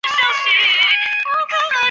类似的多硫化钙用作杀虫剂。